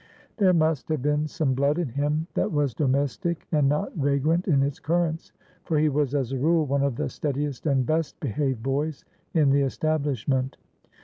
There must have been some blood in him that was domestic and not vagrant in its currents, for he was as a rule one of the steadiest and best behaved boys in the establishment.